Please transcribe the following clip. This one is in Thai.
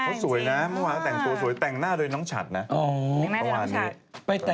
เขาสวยนะเมื่อวานเขาแต่งสวยแต่งหน้าโดยน้องชัดนะ